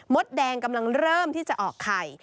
แดงกำลังเริ่มที่จะออกไข่